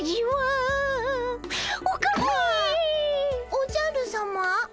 おじゃるさま。